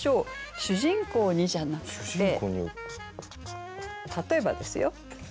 「主人公に」じゃなくて例えばですよ。